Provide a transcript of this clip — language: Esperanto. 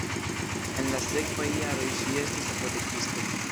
En la sekvaj jaroj ŝi estis apotekisto.